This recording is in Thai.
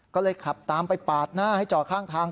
ก็เลยขับตามไปปาดหน้าให้จอดข้างทาง